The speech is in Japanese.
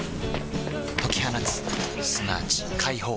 解き放つすなわち解放